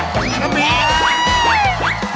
ไปแล้ว